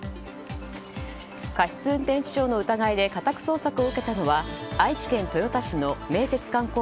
過失運転致死の疑いで家宅捜索を受けたのは愛知県豊田市の名鉄観光